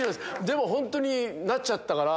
でも本当になっちゃったから。